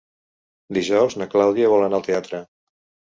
Dijous na Clàudia vol anar al teatre.